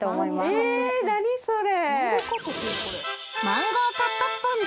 え何それ？